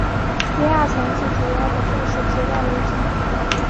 第二层是主要的正式接待楼层。